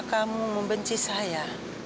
kamu pun triana